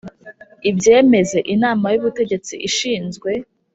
ibyemeze Inama y ubutegetsi ishinzwe